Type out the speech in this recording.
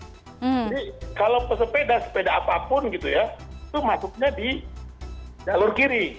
jadi kalau pesepeda sepeda apapun gitu ya itu masuknya di jalur kiri